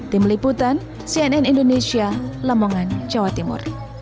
tim liputan cnn indonesia lamongan jawa timur